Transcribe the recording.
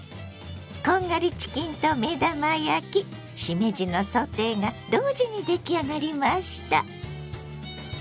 こんがりチキンと目玉焼きしめじのソテーが同時に出来上がりました。